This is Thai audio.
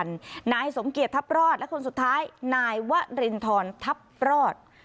นายสมเกียจทัพรอดและคนสุดท้ายนายวรินทรทัพรอด